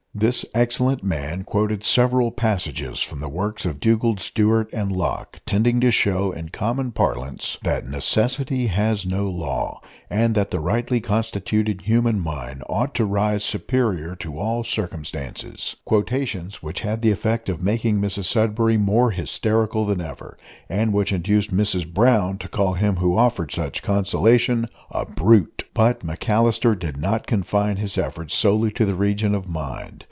This excellent man quoted several passages from the works of Dugald Stewart and Locke, tending to show, in common parlance, that "necessity has no law," and that the rightly constituted human mind ought to rise superior to all circumstances quotations which had the effect of making Mrs Sudberry more hysterical than ever, and which induced Mrs Brown to call him who offered such consolation a "brute!" But McAllister did not confine his efforts solely to the region of mind.